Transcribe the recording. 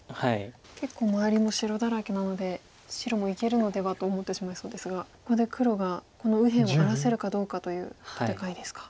結構周りも白だらけなので白もいけるのではと思ってしまいそうですがここで黒がこの右辺を荒らせるかどうかという戦いですか。